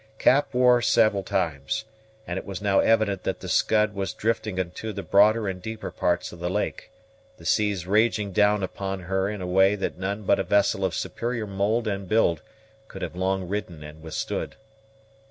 Cap wore several times; and it was now evident that the Scud was drifting into the broader and deeper parts of the lake, the seas raging down upon her in a way that none but a vessel of superior mould and build could have long ridden and withstood.